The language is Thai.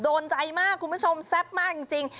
โดนใจมากคุณผู้ชมแซ่บมากจริง